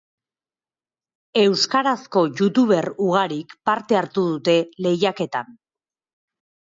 Euskarazko youtuber ugarik parte hartu dute lehiaketan.